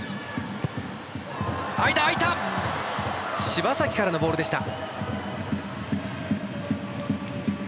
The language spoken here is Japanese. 柴崎からのボールでした。